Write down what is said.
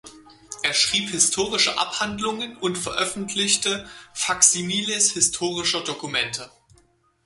Er schrieb historische Abhandlungen und veröffentlichte Faksimiles historischer Dokumente.